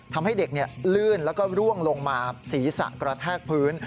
ทำให้เด็กลื่นแล้วก็ร่วงลงมาศีรษะกระแทกพื้น